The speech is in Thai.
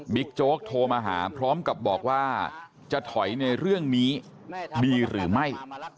โจ๊กโทรมาหาพร้อมกับบอกว่าจะถอยในเรื่องนี้ดีหรือไม่